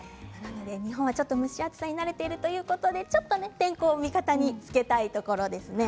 日本はちょっと蒸し暑さに慣れているということで天候も味方につけたいところです。